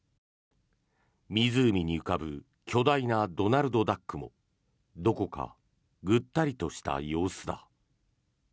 湖に浮かぶ巨大なドナルドダックもどこかぐったりとした様子だ。